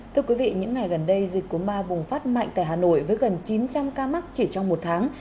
thưa quý vị những ngày gần đây dịch cúm a bùng phát mạnh tại hà nội với gần chín trăm linh ca mắc chỉ trong một tháng